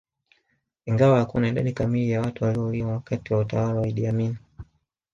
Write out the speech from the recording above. Ingawa hakuna idadi kamili ya watu waliouliwa wakati wa utawala wa Idi Amin